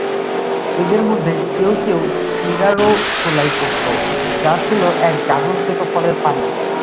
এদের মধ্যে কেউ কেউ সিডারও চোলাই করত, যা ছিল এক গাঁজনকৃত ফলের পানীয়।